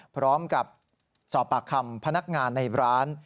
พร้อมกับสอบปากคำพนักงานในร้าน